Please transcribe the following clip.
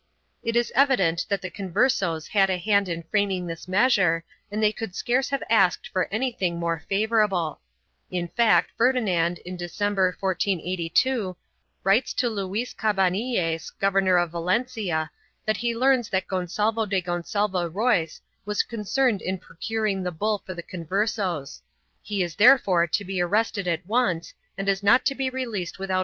1 It is evident that the Converses had a hand in framing this measure and they could scarce have asked for anything more favorable. In fact Ferdinand in December, 1482, writes to Luis Cabanilles, Governor of Valencia, that he learns that Gonsalvo de Gonsalvo Royz was concerned in procuring the bull for the Conversos : he is therefore 1 Archivio Vaticano: Sisto IV, Regestro 674, T.